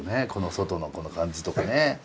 外のこの感じとかね。